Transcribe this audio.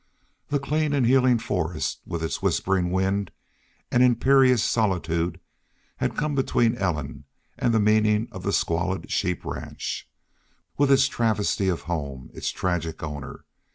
The clean and healing forest, with its whispering wind and imperious solitude, had come between Ellen and the meaning of the squalid sheep ranch, with its travesty of home, its tragic owner.